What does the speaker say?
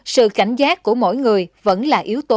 sự cảnh giác của mỗi người vẫn là yếu tố